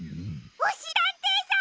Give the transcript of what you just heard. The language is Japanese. おしりたんていさん！